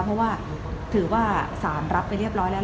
เพราะว่าถือว่าสารรับไปเรียบร้อยแล้ว